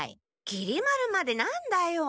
きり丸まで何だよ。